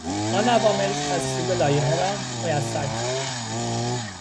آن عوامل تصویب لایحه را میسر کرد.